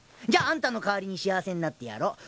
じゃああんたの代わりに幸せになってやろ。